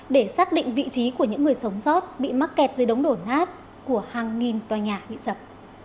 để xác định vị trí của những người sống sót bị mắc kẹt dưới đống đổ nát của hàng nghìn tòa nhà bị sập